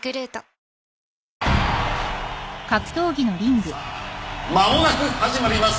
さあ間もなく始まります。